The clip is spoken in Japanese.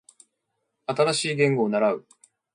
新しい言語を習う